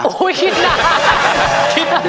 โอ้ยคิดนาน